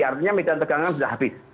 artinya medan tegangan sudah habis